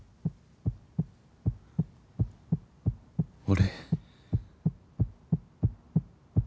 俺。